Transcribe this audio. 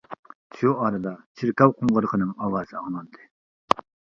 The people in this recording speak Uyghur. شۇ ئارىدا چېركاۋ قوڭغۇرىقىنىڭ ئاۋازى ئاڭلاندى.